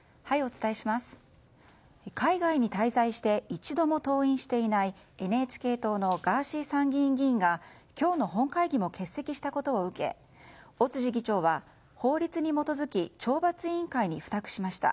海外に滞在して一度も登院していないＮＨＫ党のガーシー参議院議員が今日の本会議も欠席したことを受け尾辻議長は法律に基づき懲罰委員会に付託しました。